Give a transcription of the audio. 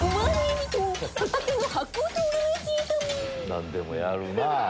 何でもやるなぁ。